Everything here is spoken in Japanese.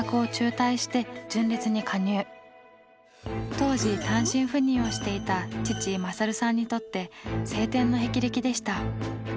当時単身赴任をしていた父・勝さんにとって青天の霹靂でした。